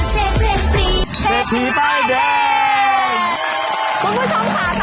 เฟสตีป้ายเด้ง